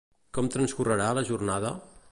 Com transcorrerà la jornada?